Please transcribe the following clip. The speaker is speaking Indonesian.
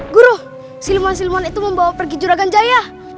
guru siluman siluman itu membawa pergi juragan jaya